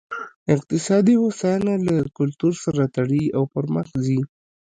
اقتصادي هوساینه له کلتور سره تړي او پرمخ ځي.